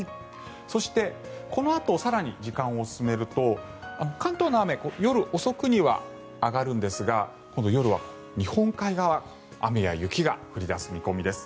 そしてこのあと更に時間を進めると関東の雨夜遅くには上がるんですが夜は、日本海側雨や雪が降り出す見込みです。